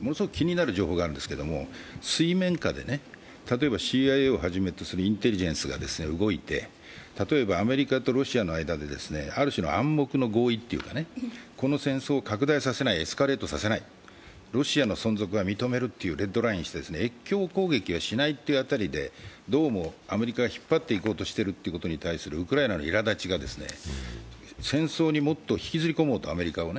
ものすごく気になる情報があるんですけど水面下で例えばＣＩＡとかインテリジェンスが動いて、例えばアメリカとロシアの間である種の暗黙の合意というか、この戦争をエスカレートさせない、ロシアの存続は認めるというレッドラインを、越冬攻撃はしないというどうも、アメリカが引っ張っていこうとしているというウクライナのいらだちが戦争にもっと引きずり込もうと、アメリカを。